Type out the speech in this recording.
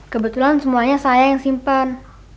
kebetulan semuanya saya yang simpen